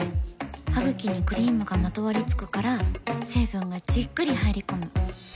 ハグキにクリームがまとわりつくから成分がじっくり入り込む。